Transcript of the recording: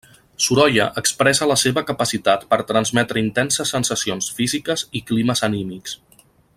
Sorolla expressa la seva capacitat per transmetre intenses sensacions físiques i climes anímics.